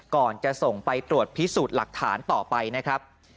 ก่อนจะส่งไปตรวจพิสูจน์หลักฐานต่อไปนะครับ